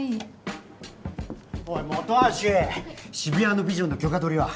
渋谷のビジョンの許可取りは？